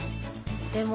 でも。